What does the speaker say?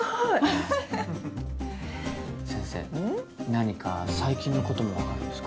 何か最近のこともわかるんですか？